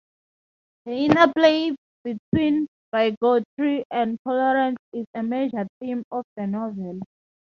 The interplay between bigotry and tolerance is a major theme of the novel.